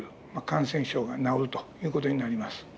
感染症が治るという事になります。